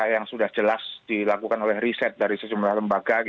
yang sudah jelas dilakukan oleh riset dari sejumlah lembaga